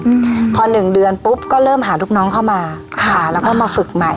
อืมพอหนึ่งเดือนปุ๊บก็เริ่มหาลูกน้องเข้ามาค่ะแล้วก็มาฝึกใหม่